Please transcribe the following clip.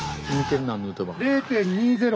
０．２０！